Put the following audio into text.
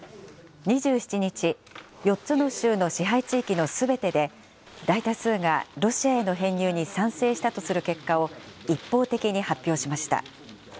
２７日、４つの州の支配地域のすべてで、大多数がロシアへの編入に賛成したとする結果を、一方的に発表しました。